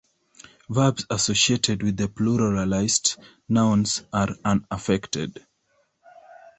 Verbs associated with the pluralised nouns are unaffected.